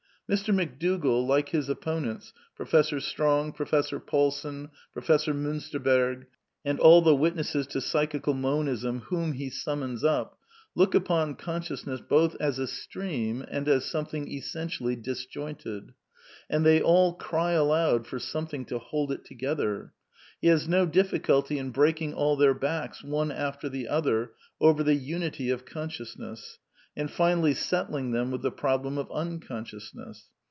Mr. McDougall, like his opponents, Professor Strong, Professor Paulsen, Professor Miinsterberg, and all the wit nesses to Psychical Monism whom he summons up, look upon consciousness both as a stream and as something es sentially disjointed ; and they all cry aloud for something to " hold it together." He has no difficulty in breaking all their backs one after the other over the " unity of conscious ness," and finally settling them with the problem of un consciousness.